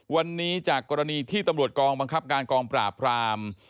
วันนี้จากกรณีที่ตำรวจกองบังคับการกองปราบราม